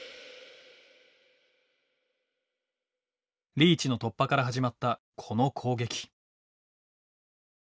リーチの突破から始まったこの攻撃。